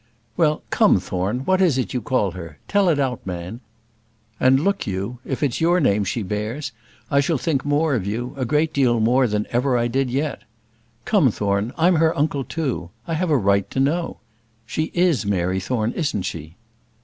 "Well, come, Thorne, what is it you call her? Tell it out, man. And, look you, if it's your name she bears, I shall think more of you, a deal more than ever I did yet. Come, Thorne, I'm her uncle too. I have a right to know. She is Mary Thorne, isn't she?"